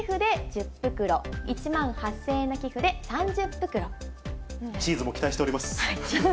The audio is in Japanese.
６０００円の寄付で１０袋、チーズも期待しております。